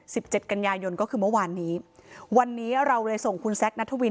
เจ็ดกันยายนก็คือเมื่อวานนี้วันนี้เราเลยส่งคุณแซคนัทวิน